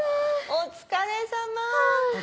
お疲れさま。